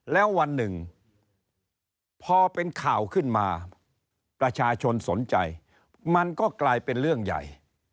แล้ววันหนึ่งพอเป็นข่าวขึ้นมาประชาชนสนใจมันก็กลายเป็นเรื่องใหญ่